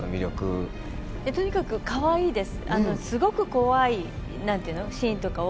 とにかくかわいいです。